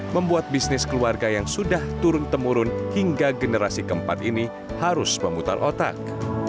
membuat bisnis keluarga yang sudah turun temurun hingga generasi keempat ini harus memutar otak